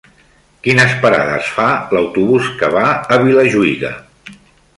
Quines parades fa l'autobús que va a Vilajuïga?